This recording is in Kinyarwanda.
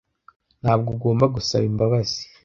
Ntabwo ugomba gusaba imbabazi.